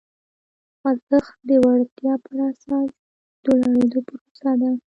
خوځښت د وړتیا پر اساس د لوړېدو پروسه ده.